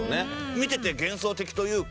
見てて幻想的というか。